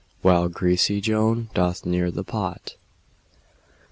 While greasy Joan doth keel the pot.